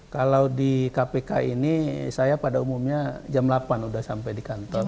kalau di kpk ini saya pada umumnya jam delapan udah sampai di kantor